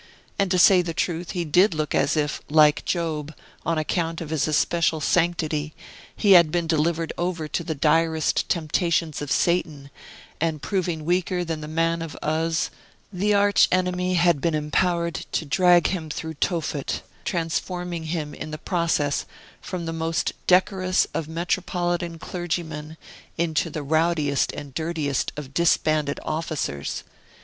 And, to say the truth, he did look as if, like Job, on account of his especial sanctity, he had been delivered over to the direst temptations of Satan, and proving weaker than the man of Uz, the Arch Enemy had been empowered to drag him through Tophet, transforming him, in the process, from the most decorous of metropolitan clergymen into the rowdiest and dirtiest of disbanded officers.